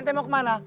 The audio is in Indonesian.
ente mau kemana